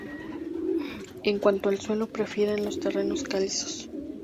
En cuanto al suelo, prefieren los terrenos calizos.